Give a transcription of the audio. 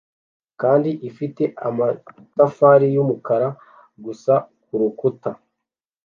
kandi ifite amatafari yumukara gusa kurukuta